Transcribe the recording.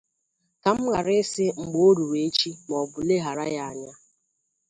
ka m ghara ị sị mgbe o ruru echi ma ọ bụ leghara ya anya